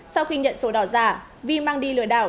sau khi nhận sổ đỏ giả vi mang đi lừa đảo